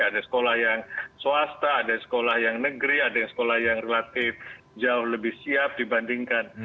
ada sekolah yang swasta ada yang sekolah yang negeri ada yang sekolah yang relatif jauh lebih siap dibandingkan